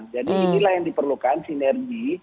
jadi inilah yang diperlukan sinergi